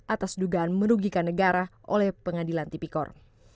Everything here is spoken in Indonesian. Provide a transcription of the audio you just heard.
atas dugaan merugikan negara oleh pengadilan tipikor